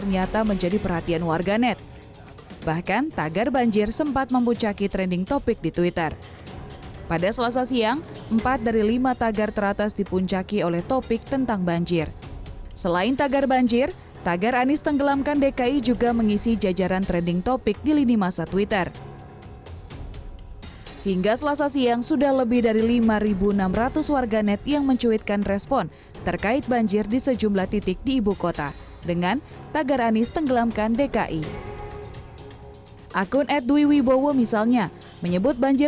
ya betul ini intensitas hujan yang cukup tinggi